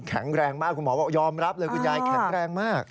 แข็งแรงมากคุณหมอบอกยอมรับเลยคุณยายแข็งแรงมาก